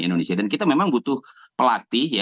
indonesia dan kita memang butuh pelatih